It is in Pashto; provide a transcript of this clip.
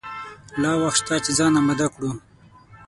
لا وخت شته چې ځان آمده کړو.